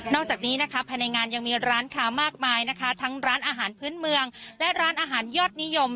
จากนี้นะคะภายในงานยังมีร้านค้ามากมายนะคะทั้งร้านอาหารพื้นเมืองและร้านอาหารยอดนิยม